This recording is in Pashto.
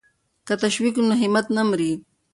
که تشویق وي نو همت نه مري.